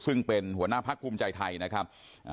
ซึ่งเป็นหัวหน้าพักภูมิใจไทยนะครับ